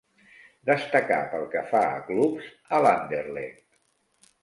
Destacà pel que fa a clubs, a l'Anderlecht.